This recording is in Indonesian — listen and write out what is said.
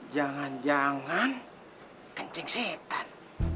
jangan jangan kencing setan